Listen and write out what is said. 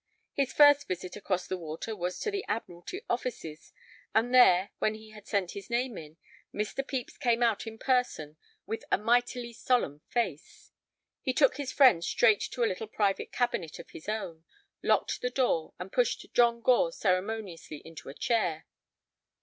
His first visit across the water was to the Admiralty offices, and there, when he had sent his name in, Mr. Pepys came out in person with a mightily solemn face. He took his friend straight to a little private cabinet of his own, locked the door, and pushed John Gore unceremoniously into a chair.